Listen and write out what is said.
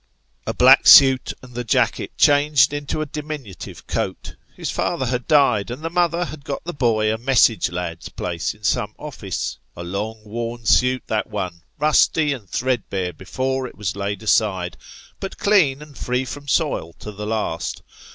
A black suit and the jacket changed into a diminutive coat. His father had died, and the mother had got the boy a message lad's place in some office. A long worn suit that one ; rusty and threadbare before it was laid aside, but clean and free from soil to the last.